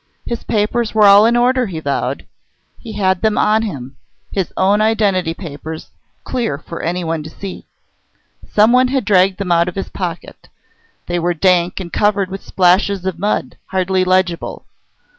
His papers were all in order, he vowed. He had them on him: his own identity papers, clear for anyone to see. Someone had dragged them out of his pocket; they were dank and covered with splashes of mud hardly legible.